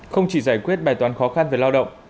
không chỉ giải quyết bài toán khó khăn về lao động